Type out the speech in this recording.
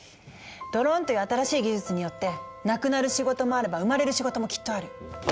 ドローンという新しい技術によってなくなる仕事もあれば生まれる仕事もきっとある。